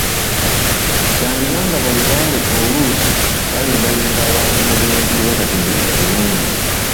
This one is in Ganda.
Kyandiba ng’abalubaale oluusi balimbalimba abantu mu bintu bye batategeera bulungi.